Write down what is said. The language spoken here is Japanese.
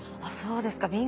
あっそうですか。